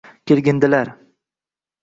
Kelgindilar